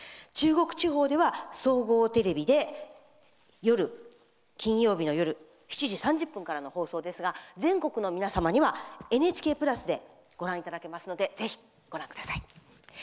中国地方では、総合テレビで金曜夜７時３０分からの放送ですが全国の皆様には「ＮＨＫプラス」でご覧いただけますのでぜひ、ご覧ください。